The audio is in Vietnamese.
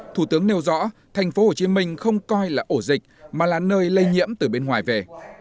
thủ tướng nêu rõ tp hcm không coi là ổ dịch mà là nơi lây nhiễm từ bên ngoài về